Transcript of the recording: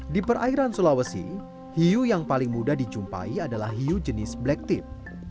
di perairan sulawesi hiu yang paling mudah dijumpai adalah hiu jenis black tip